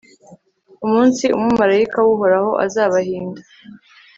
umunsi umumalayika w'uhoraho azabahinda